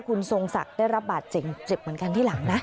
คุณทรงศักดิ์ได้รับบาดเจ็บเจ็บเหมือนกันที่หลังนะ